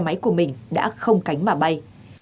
xe máy của mình đã không cánh mà bay